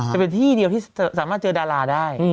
จะเป็นที่เดียวที่สามารถเจอดาราได้